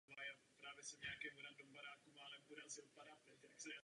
První měření sil mezi mladšími a staršími hráči končí překvapivým vítězstvím mladších.